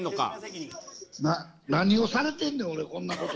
何をされてんねん、俺こんなこと。